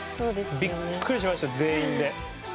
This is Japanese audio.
ビックリしました全員で。